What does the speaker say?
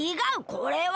これは。